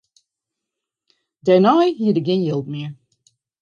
Dêrnei hie er gjin jild mear.